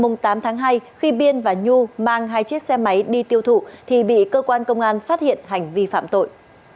ngày tám tháng hai khi biên và nhu mang hai chiếc xe máy đi tiêu thụ thì bị cơ quan công an phát hiện hành vi phạm tội